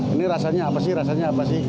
ini rasanya apa sih rasanya apa sih